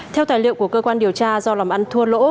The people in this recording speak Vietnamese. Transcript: theo tài liệu của cơ quan điều tra do làm ăn thua lỗ